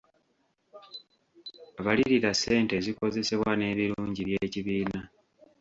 Balirira ssente ezikozesebwa n’ebirungi by’ekibiina.